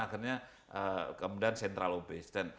akhirnya kemudian central obese